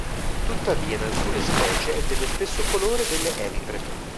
Tuttavia in alcune specie è dello stesso colore delle elitre.